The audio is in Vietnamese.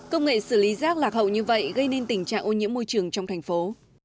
công nghệ xử lý rác lạc hậu như vậy gây nên tình trạng ô nhiễm môi trường trong thành phố